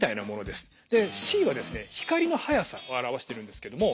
でｃはですね光の速さを表してるんですけども。